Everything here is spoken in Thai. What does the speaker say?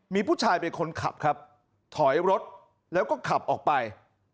มีผู้ชายเป็นคนขับครับถอยรถแล้วก็ขับออกไป